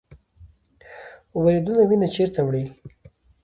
وریدونه وینه چیرته وړي؟